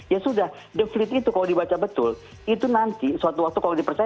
ya sudah the fleet itu kalau dibaca betul itu nanti suatu waktu kalau dipercaya